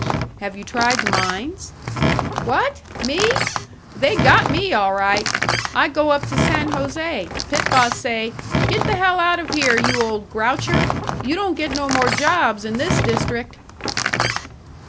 "Have you tried the mines?" "What? Me? They got me all right! I go up to San José. Pit boss say, 'Get the hell out of here, you old groucher! You don't get no more jobs in this district!'"